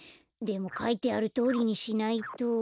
でもかいてあるとおりにしないと。